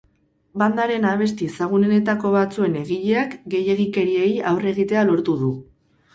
Bandaren abesti ezagunenetako batzuen egileak gehiegikeriei aurre egitea lortu du.